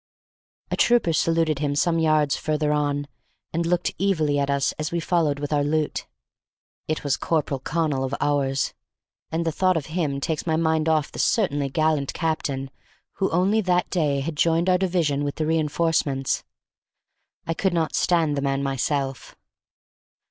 A trooper saluted him some yards further on, and looked evilly at us as we followed with our loot. It was Corporal Connal of ours, and the thought of him takes my mind off the certainly gallant captain who only that day had joined our division with the reinforcements. I could not stand the man myself.